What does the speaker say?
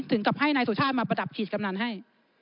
กับให้นายสุชาติมาประดับขีดกำนันให้